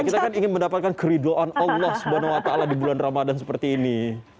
iya kita kan ingin mendapatkan keriduan allah swt di bulan ramadhan seperti ini